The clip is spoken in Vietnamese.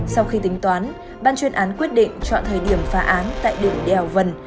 sau khi tính toán ban chuyên án quyết định chọn thời điểm phá án tại đỉnh đèo vân